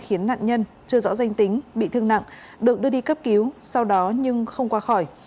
khiến nạn nhân chưa rõ danh tính bị thương nặng được đưa đi cấp cứu sau đó nhưng không qua khỏi